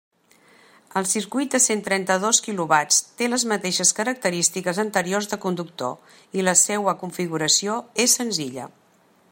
El circuit de cent trenta-dos quilovats, té les mateixes característiques anteriors de conductor, i la seua configuració és senzilla.